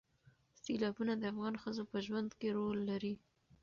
سیلابونه د افغان ښځو په ژوند کې رول لري.